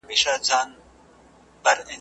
هېره سوې د زاړه قبر جنډۍ یم ,